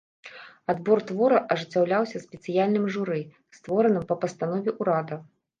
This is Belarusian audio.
Адбор твораў ажыццяўляўся спецыяльным журы, створаным па пастанове ўрада.